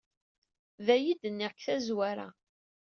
D aya ay d-nniɣ seg tazwara!